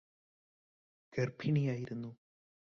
ഗര്ഭിണിയായിരുന്നു